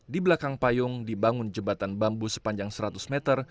di belakang payung dibangun jembatan bambu sepanjang seratus meter